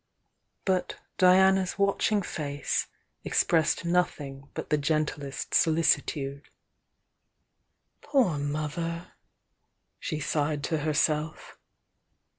But Di ana's watching face expressed nothing but the gen tlest solicitude. "Poor motiier!" she sighed to herself.